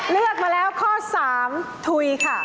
เลือกมาแล้วข้อ๓ถุยค่ะ